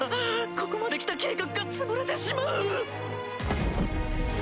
ここまで来た計画がつぶれてしまう！